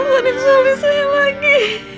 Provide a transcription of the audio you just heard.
menikmati suami saya lagi